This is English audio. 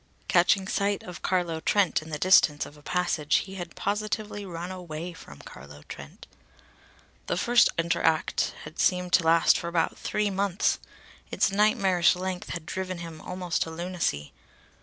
Catching sight of Carlo Trent in the distance of a passage, he had positively run away from Carlo Trent. The first entr'acte had seemed to last for about three months. Its nightmarish length had driven him almost to lunacy.